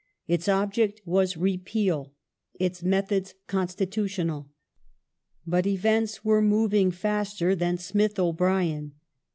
Its object was Repeal ; its methods constitutional. But events were moving faster than Smith O'Brien.